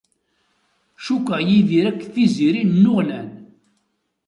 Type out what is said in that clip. Cukkeɣ Yidir akked Tiziri nnuɣnan.